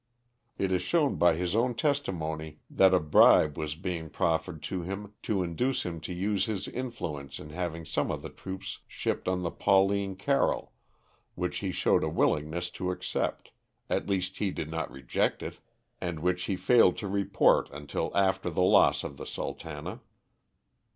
It is shown by his own testimony that a bribe was proffered to him to induce him to use his influence in having some of the troops shipped on the * Pauline Carrol,' which he showed a willingness to accept — at least he did not reject it — and which he failed to report until after the loss of the " Sultana."